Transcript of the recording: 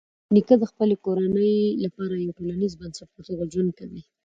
نیکه د خپلې کورنۍ لپاره د یوه ټولنیز بنسټ په توګه ژوند کوي.